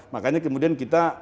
makanya kemudian kita